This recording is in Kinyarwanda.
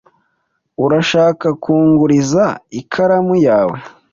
Urashaka kunguriza ikaramu yawe?